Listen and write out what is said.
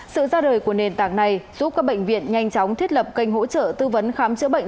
sự ra đời của nền tảng này giúp các bệnh viện nhanh chóng thiết lập kênh hỗ trợ tư vấn khám chữa bệnh